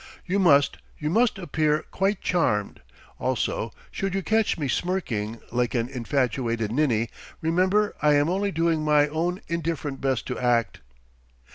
"You must you must appear quite charmed. Also, should you catch me smirking like an infatuated ninny, remember I am only doing my own indifferent best to act."